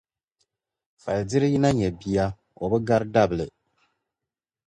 falidira yi na nyɛ bia o bi gari dabili.